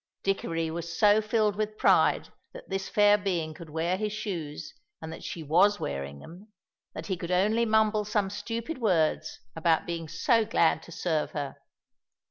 Dickory was so filled with pride that this fair being could wear his shoes, and that she was wearing them, that he could only mumble some stupid words about being so glad to serve her.